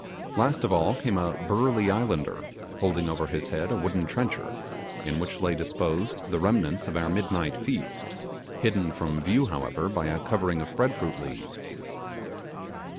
Last of all came a burly islander, holding over his head a wooden trencher, in which lay disposed the remnants of our midnight feast, hidden from view, however, by a covering of bread fruit leaves.